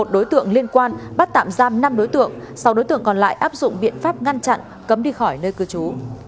một mươi đối tượng liên quan bắt tạm giam năm đối tượng sau đối tượng còn lại áp dụng biện pháp ngăn chặn cấm đi khỏi nơi cư trú